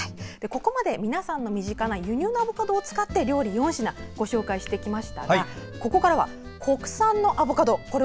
ここまで、皆さんの身近な輸入のアボカドを使って料理を４品ご紹介しましたがここからは国産のアボカドを